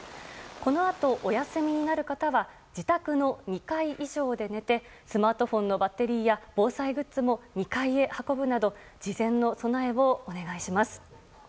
このあとお休みになる方は自宅の２階以上で寝てスマホのバッテリーや防災グッズも２階へ運ぶなど事前の備えをお願いします。